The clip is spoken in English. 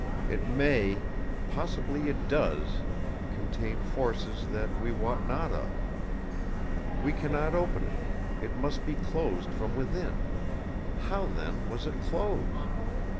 It may—possibly it does—contain forces that we wot not of. We cannot open it; it must be closed from within. How then was it closed?